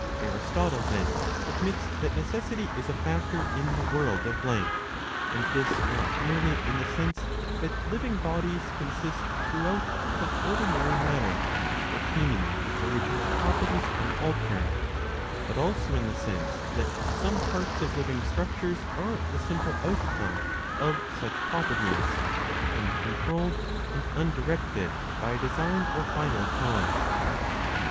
j Aristotle, then, admits that necessity is a factor in the world of life ; and this not merely in the sense that living bodies consist throughout of ordinary matter, retaining its original properties unaltered ; but also in the sense that some parts of living structures are the simple outcome/ of such properties, u ncontrol led and undirected by design or final cause.'